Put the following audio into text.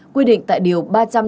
quy định tại điều ba trăm năm mươi bốn